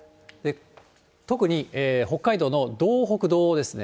特に北海道の道北、道央ですね。